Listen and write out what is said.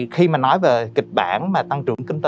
khi mà nói về kịch bản mà tăng trưởng kinh tế